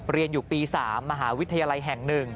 เรียนอยู่ปี๓มหาวิทยาลัยแห่ง๑